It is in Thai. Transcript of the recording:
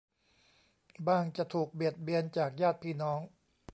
บ้างจะถูกเบียดเบียนจากญาติพี่น้อง